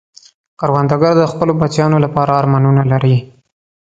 کروندګر د خپلو بچیانو لپاره ارمانونه لري